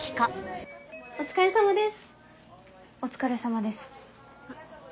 店長お疲れさまです。